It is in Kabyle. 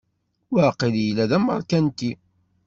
Waqil yella d ameṛkanti.